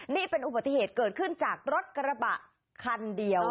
นี่เป็นอุบัติเหตุเกิดขึ้นจากรถกระบะคันเดียว